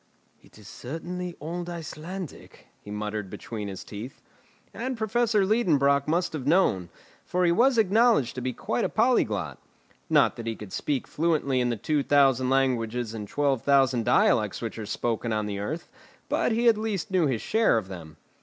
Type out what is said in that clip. "It is certainly old Icelandic," he muttered between his teeth. And Professor Liedenbrock must have known, for he was acknowledged to be quite a polyglot. Not that he could speak fluently in the two thousand languages and twelve thousand dialects which are spoken on the earth, but he knew at least his share of them.